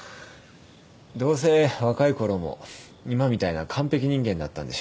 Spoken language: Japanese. どうせ若いころも今みたいな完璧人間だったんでしょ？